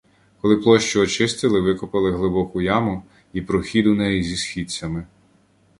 Коли площу очистили, викопали глибоку яму і прохід у неї зі східцями.